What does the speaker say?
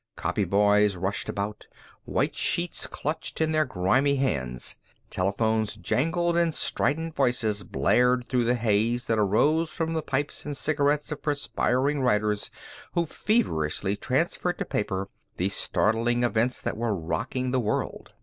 Copy boys rushed about, white sheets clutched in their grimy hands. Telephones jangled and strident voices blared through the haze that arose from the pipes and cigarettes of perspiring writers who feverishly transferred to paper the startling events that were rocking the world.